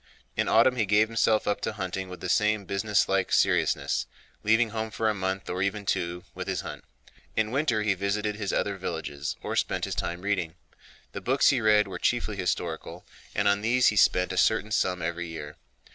In autumn he gave himself up to hunting with the same business like seriousness—leaving home for a month, or even two, with his hunt. In winter he visited his other villages or spent his time reading. The books he read were chiefly historical, and on these he spent a certain sum every year.